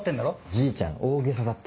じいちゃん大げさだって。